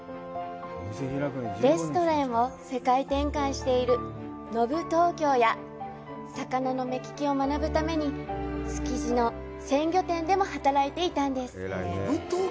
レストランを世界展開している「ＮＯＢＵＴＯＫＹＯ」や魚の目利きを学ぶために築地の鮮魚店でも働いていたんです。